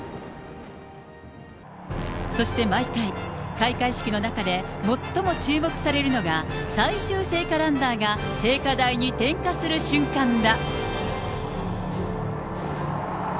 そして毎回、開会式の中で最も注目されるのが、最終聖火ランナーが聖火台に点火する瞬間だ。